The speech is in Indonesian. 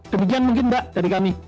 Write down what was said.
demikian mungkin mbak dari kami